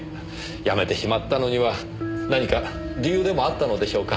やめてしまったのには何か理由でもあったのでしょうか？